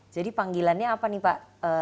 jadi panggilannya apa nih pak